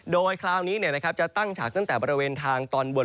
โดยคราวนี้เนี่ยนะครับจะตั้งฉากตั้งแต่บริเวณทางตอนบน